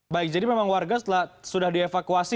baik jadi memang warga setelah sudah dievakuasi